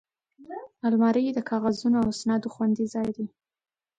الماري د کاغذونو او اسنادو خوندي ځای دی